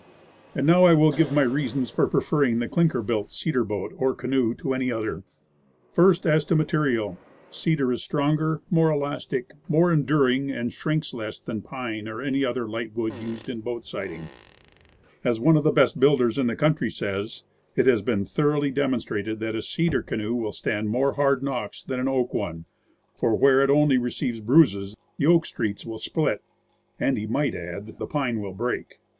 And now I will give my reasons for preferring the clinker built cedar boat, or canoe, to any other. First, as to material. Cedar is stronger, more elastic, more 142 Woodcraft. enduring, and shrinks less than pine or any other light wood used as boat siding. As one of the best builders in the country says, "It has been thoroughly demonstrated that a cedar canoe will stand more hard knocks than an oak one; for where it only re ceives bruises, the oak streaks will split." And he might add, the pine will break.